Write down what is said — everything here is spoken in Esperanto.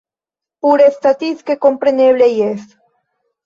Pure statistike kompreneble jes.